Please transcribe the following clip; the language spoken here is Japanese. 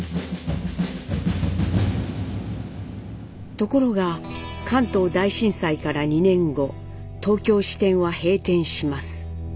ところが関東大震災から２年後東京支店は閉店します。